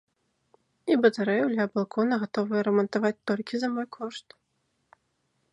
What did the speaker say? І батарэю ля балкона гатовыя рамантаваць толькі за мой кошт.